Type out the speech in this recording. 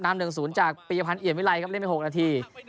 น้ำเหลืองศูนย์จากปีภัณฑ์เหยียบวิไลน์ครับเล่นไป๖นาที